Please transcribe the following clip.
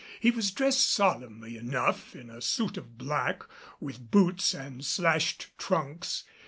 He was dressed solemnly enough in a suit of black, with boots and slashed trunks.